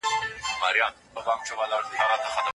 دا ګټه د ټولو لپاره ده.